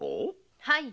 はい。